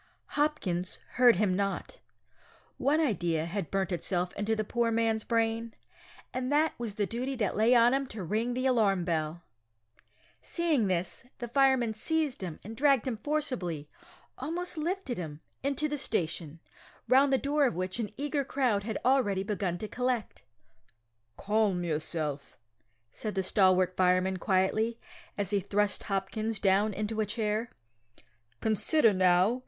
Hopkins heard him not. One idea had burnt itself into the poor man's brain, and that was the duty that lay on him to ring the alarm bell! Seeing this, the fireman seized him, and dragged him forcibly almost lifted him into the station, round the door of which an eager crowd had already begun to collect. "Calm yourself," said the stalwart fireman quietly, as he thrust Hopkins down into a chair. "Consider now.